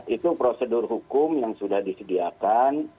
itu prosedur hukum yang sudah disediakan